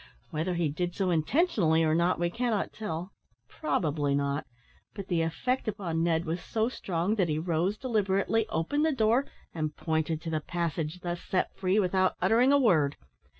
Whether he did so intentionally or not we cannot tell, probably not, but the effect upon Ned was so strong that he rose deliberately, opened the door, and pointed to the passage thus set free, without uttering a word.